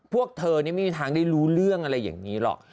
พวกเธอนี่ไม่มีทางได้รู้เรื่องอะไรอย่างนี้หรอก